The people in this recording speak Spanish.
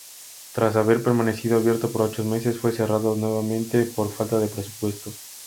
Tras haber permanecido abierto por ocho meses, fue cerrado nuevamente por falta de presupuesto.